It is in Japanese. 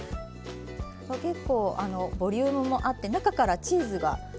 これ結構ボリュームもあって中からチーズが。